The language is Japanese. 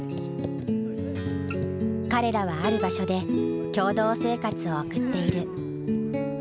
彼らはある場所で共同生活を送っている。